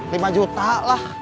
lima juta lah